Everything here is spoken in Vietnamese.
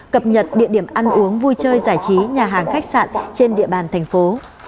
cập nhật địa điểm ăn uống vui chơi giải trí nhà hàng khách sạn trên địa bàn thành phố